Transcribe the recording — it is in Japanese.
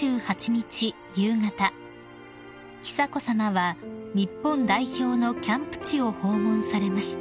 夕方久子さまは日本代表のキャンプ地を訪問されました］